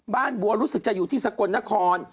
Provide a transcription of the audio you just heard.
บัวรู้สึกจะอยู่ที่สกลนคร